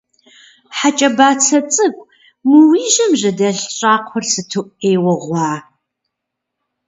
Хьэ кӀэ бацэ цӀыкӀу, мы уи жьэм жьэдэлъ щӀакхъуэр сыту Ӏейуэ гъуа.